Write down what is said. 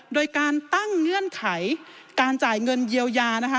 โดยการตั้งเงื่อนไขการจ่ายเงินเยียวยานะคะ